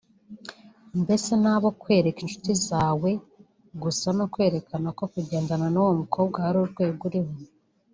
mbese ni abo kwereka inshuti zawe gusa no kwerekana ko kugendana n’uwo mukobwa hari urwego uriho